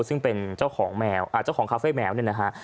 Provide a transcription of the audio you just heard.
ซึ่งเป็นเจ้าของแมวเจ้าของคาเฟ่แมวเนี่ยนะฮะ